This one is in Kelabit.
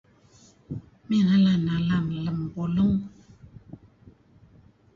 Mey nalan-nalan lem pulung.